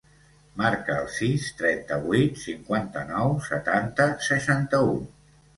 Marca el sis, trenta-vuit, cinquanta-nou, setanta, seixanta-u.